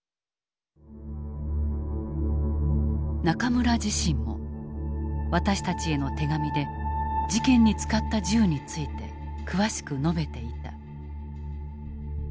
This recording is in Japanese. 中村自身も私たちへの手紙で事件に使った銃について詳しく述べていた。